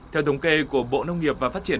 theo thống kê của bộ nông nghiệp và phát triển